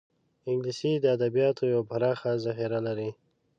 انګلیسي د ادبیاتو یوه پراخه ذخیره لري